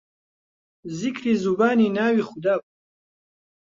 زیکری زوبانی ناوی خودابوو